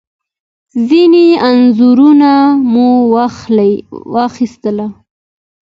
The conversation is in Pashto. ځینې انځورونه مو واخیستل.